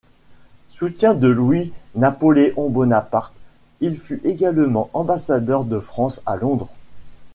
Soutien de Louis-Napoléon Bonaparte, il fut également ambassadeur de France à Londres.